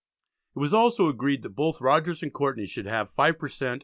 It was also agreed that both Rogers and Courtney should have 5 per cent.